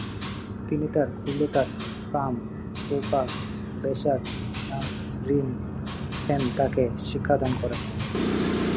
তিনি তার খুল্লতাত স্গাম-পো-পা-ব্সোদ-নাম্স-রিন-ছেন তাকে শিক্ষাদান করেন।